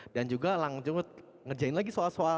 dan juga langsung ngerjain lagi soal soal